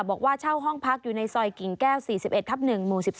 บอกว่าเช่าห้องพักอยู่ในซอยกิ่งแก้ว๔๑ทับ๑หมู่๑๒